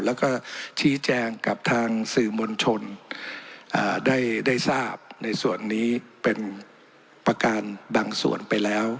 แล้วก็ชี้แจงกับทางสื่อมวลชนได้ทราบในส่วนนี้เป็นประการบางส่วนไปแล้ว